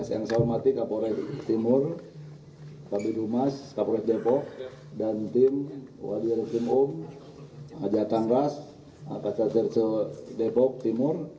yang saya hormati kabupaten timur kabupaten dumas kabupaten depok dan tim wadih dari tim um jatang ras kata terse depok timur